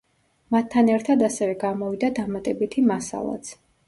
მათთან ერთად ასევე გამოვიდა დამატებითი მასალაც.